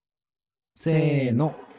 せの。